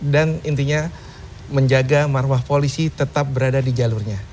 dan intinya menjaga marwah polisi tetap berada di jalurnya